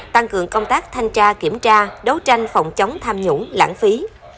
tăng cường công tác thanh tra kiểm tra đấu tranh phòng chống tham nhũng lãng phí